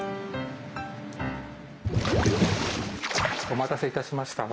お待たせいたしました。